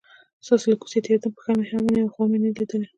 ستاسو له کوڅې تیرېدم، پښه مې هم ونیوه خو ومې نه لیدلې.